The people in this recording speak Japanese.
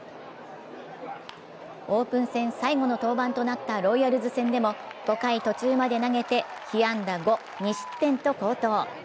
オープン戦最後の登板となったロイヤルズ戦でも、５回途中まで投げて被安打５２失点と好投。